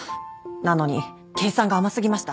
なのに計算が甘過ぎました。